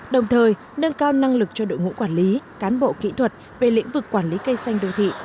đồng thời nâng cao năng lực cho đội ngũ quản lý cán bộ kỹ thuật về lĩnh vực quản lý cây xanh đô thị